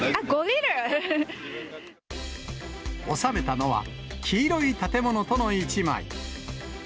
収めたのは、黄色い建物との１枚。